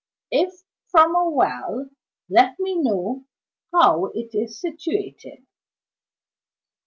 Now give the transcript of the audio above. If from a well, let me know how it is situated.